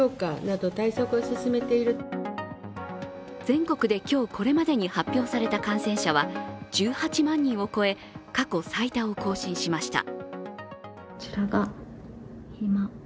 全国で今日これまでに発表された感染者は１８万人を超え過去最多を更新しました。